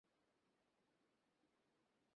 তাঁর তো হয়েছিল ইচ্ছামৃত্যু।